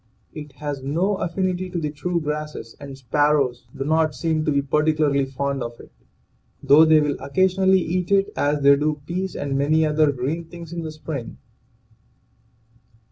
It has no affinity to the true grasses, and sparrows do not seem to be particularly fond of it, though they will occasionally eat it as they do peas and many other green things in the spring.